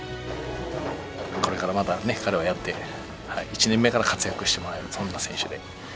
これからまた彼はやって、一年目から活躍してくれるそんな選手に。